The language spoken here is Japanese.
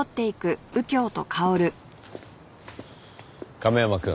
亀山くん。